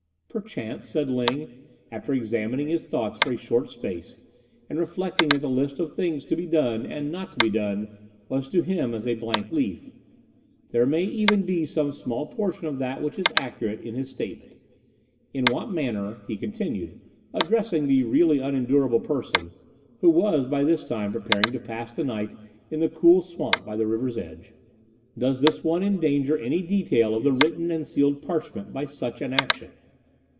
"Perchance," said Ling, after examining his thoughts for a short space, and reflecting that the list of things to be done and not to be done was to him as a blank leaf, "there may even be some small portion of that which is accurate in his statement. In what manner," he continued, addressing the really unendurable person, who was by this time preparing to pass the night in the cool swamp by the river's edge, "does this one endanger any detail of the written and sealed parchment by such an action?"